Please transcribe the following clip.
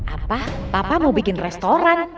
apa papa mau bikin restoran